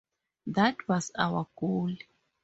That was our goal.